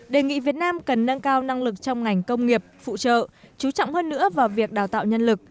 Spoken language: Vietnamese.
đề nghị việt nam cần nâng cao năng lực trong ngành công nghiệp phụ trợ chú trọng hơn nữa vào việc đào tạo nhân lực